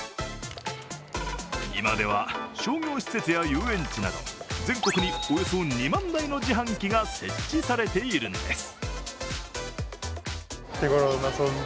今では商業施設や遊園地など全国におよそ２万台の自販機が設置されているんです。